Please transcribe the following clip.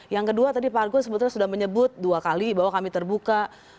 yang kedua tadi pak argo sebetulnya sudah menyebut dua kali bahwa kami terbuka